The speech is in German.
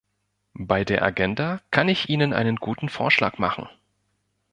Bei der Agenda kann ich Ihnen einen guten Vorschlag machen.